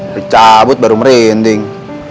dicabut baru merinding